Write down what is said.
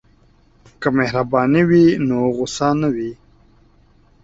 که مهرباني وي نو غوسه نه وي.